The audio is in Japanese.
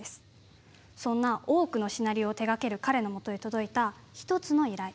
そんな多くのシナリオを手がける彼のもとへ届いた１つの依頼。